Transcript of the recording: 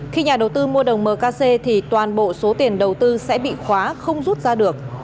khi nhà đầu tư mua đồng mkc thì toàn bộ số tiền đầu tư sẽ bị khóa không rút ra được